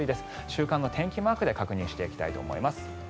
週間の天気マークで確認していきたいと思います。